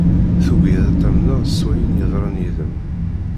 Tugiḍ ad tamneḍ s wayen yeḍran yid-m.